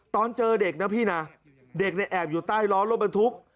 ตอนเจอเด็กนะพี่นะเด็กเนี่ยแอบอยู่ใต้ล้อรถบรรทุก